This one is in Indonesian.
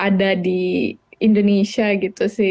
jadi kayak di indonesia gitu sih